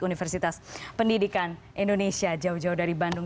universitas pendidikan indonesia jauh jauh dari bandung